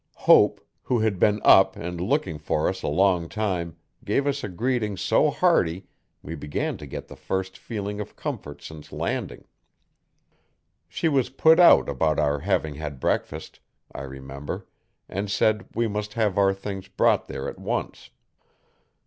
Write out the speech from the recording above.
Hope, who had been up and looking for us a long time, gave us a greeting so hearty we began to get the first feeling of comfort since landing. She was put out about our having had breakfast, I remember, and said we must have our things brought there at once.